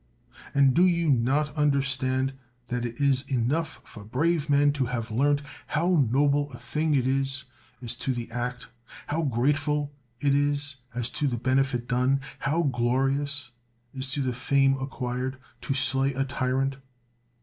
And do you not understand that it is enough for brave men to have learnt how noble a thing it is as to the act, how grateful it is as to the benefit done, how glorious as to the fame acquired, to slay a tyrant